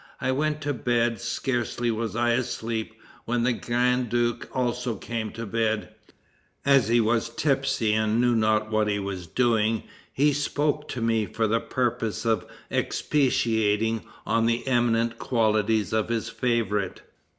I went to bed; scarcely was I asleep, when the grand duke also came to bed. As he was tipsy and knew not what he was doing, he spoke to me for the purpose of expatiating on the eminent qualities of his favorite.